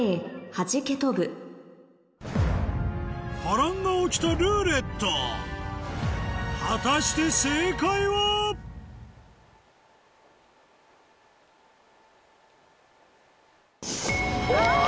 波乱が起きた「ルーレット」果たして正解は⁉あぁ！